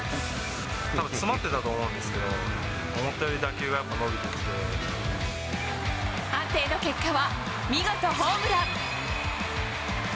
たぶん詰まってたと思うんですけど、判定の結果は、見事ホームラン。